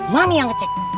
mami yang ngecek